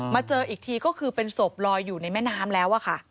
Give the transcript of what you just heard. เจออีกทีก็คือเป็นศพลอยอยู่ในแม่น้ำแล้วค่ะ